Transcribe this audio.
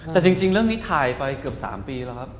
แต่จริงเรื่องนี้ถ่ายไปเกือบ๓ปีแล้วครับ